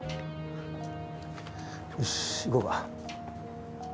よし行こうか。